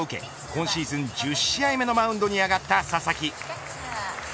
今シーズン、１０試合目のマウンドに上がった佐々木。